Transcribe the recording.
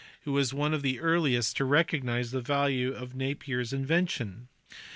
240), who was one of the earliest to recognize the value of Napier s invention.